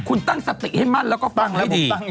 คุณตั้งสติให้มั่นแล้วก็ฟังแล้วดีปัง